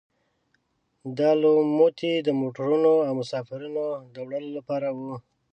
دا لوموتي د موټرونو او مسافرینو د وړلو لپاره وو.